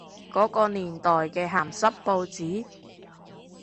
嗰個年代嘅鹹濕報紙？